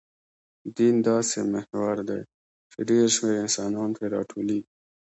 دین داسې محور دی، چې ډېر شمېر انسانان پرې راټولېږي.